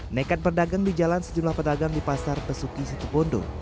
naikkan perdagang di jalan sejumlah pedagang di pasar besuki situ bondo